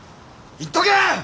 言っとけ！